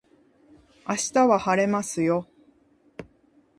明日は晴れますよ